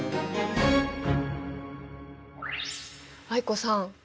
藍子さん